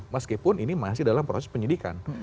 meskipun ini masih dalam proses penyidikan